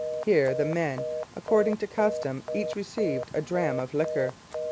Here the men, according to custom, each received a dram of liquor.